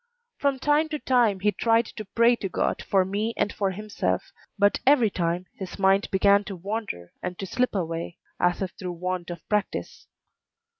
From time to time he tried to pray to God for me and for himself; but every time his mind began to wander and to slip away, as if through want of practice.